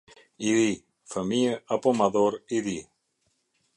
I ri - fëmijë apo madhor i ri.